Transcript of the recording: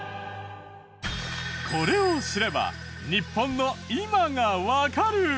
これを知れば日本の今がわかる。